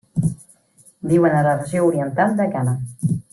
Viuen a la regió Oriental de Ghana.